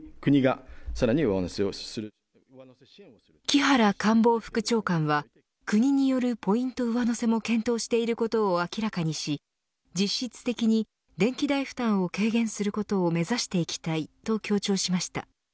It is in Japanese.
木原官房副長官は国によるポイント上乗せも検討していることを明らかにし実質的に電気代負担を軽減することを目指していきたいと強調しました。